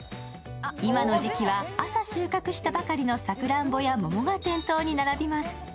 今の時期は朝収穫したばかりのさくらんぼや桃が店頭に並びます。